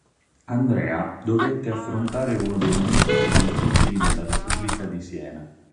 Andrea dovette affrontare uno dei momenti più difficili della repubblica di Siena.